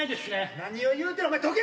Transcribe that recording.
何を言うてるお前どけ